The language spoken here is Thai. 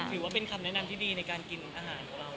ถือว่าเป็นคำแนะนำที่ดีในการกินอาหารของเรา